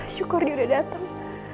syukur dia udah datang